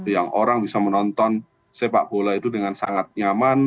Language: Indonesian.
yang orang bisa menonton sepak bola itu dengan sangat nyaman